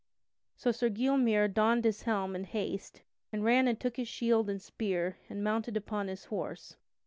So Sir Gylmere donned his helm in haste and ran and took his shield and spear and mounted upon his horse.